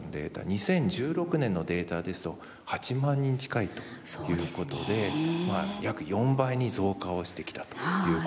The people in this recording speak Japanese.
２０１６年のデータですと８万人近いということでまあ約４倍に増加をしてきたということになります。